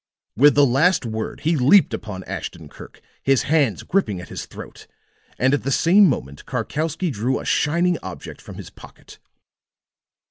With the last word he leaped upon Ashton Kirk, his hands gripping at his throat, and at the same moment Karkowsky drew a shining object from his pocket.